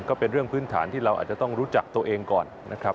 ก็เป็นเรื่องพื้นฐานที่เราอาจจะต้องรู้จักตัวเองก่อนนะครับ